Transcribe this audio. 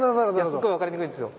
すっごい分かりにくいんですよ。